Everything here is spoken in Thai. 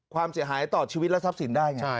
ความเสียหายต่อชีวิตและทรัพย์สินได้ไง